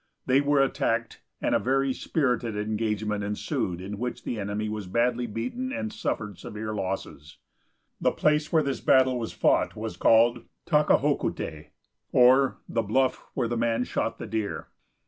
They were attacked, and a very spirited engagement ensued in which the enemy was badly beaten and suffered severe losses. The place where this battle was fought was called Ta ka ho ku tay, or "The bluff where the man shot the deer."